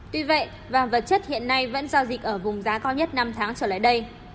tuy vậy vàng vật chất hiện nay vẫn giao dịch ở vùng giá cao nhất năm tháng trở lại đây